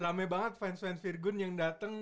rame banget fans fans virgun yang datang